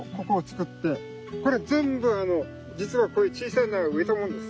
これ全部あの実はこういう小さい苗を植えたものです。